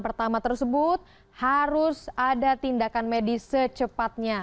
pertama tersebut harus ada tindakan medis secepatnya